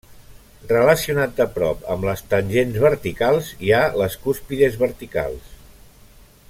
Relacionat de prop amb les tangents verticals hi ha les cúspides verticals.